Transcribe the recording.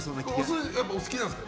お寿司、やっぱりお好きなんですか？